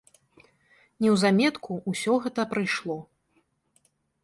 Неўзаметку ўсё гэта прыйшло.